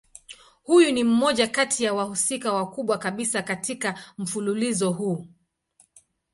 Huyu ni mmoja kati ya wahusika wakubwa kabisa katika mfululizo huu.